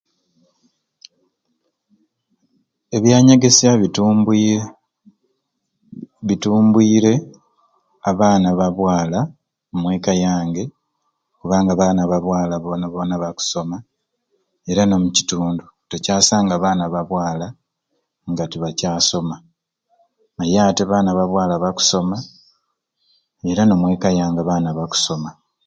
Ebyanyegesya bitubwire abaana ba bwala omweka yange kubanga abaana ba bwala bona bona bakusoma era no mukitundu tokyasanga baana ba bwala nga tebakyasoma naye ati abaana ba bwala bakusoma era no mweka yange abaana bakusoma